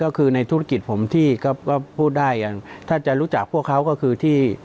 ก็คือในธุรกิจผมที่ก็พูดได้อย่างถ้าจะรู้จักพวกเขาก็คือที่